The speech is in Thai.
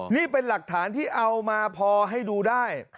นี่เป็นหลักฐานที่เอามาพอให้ดูได้